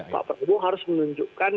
pak prabowo harus menunjukkan